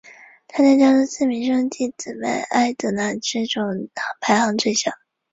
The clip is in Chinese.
她在家中四名兄弟姊妹艾德娜之中排行最小。